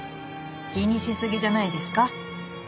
気にしすぎじゃないですか？